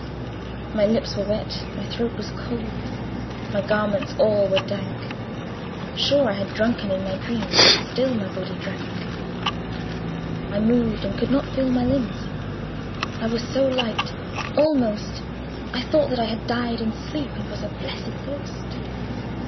My lips were wet, my throat was cold, My garments all were dank; Sure I had drunken in my dreams, And still my body drank. I moved, and could not feel my limbs: I was so light almost I thought that I had died in sleep, And was a blessed ghost.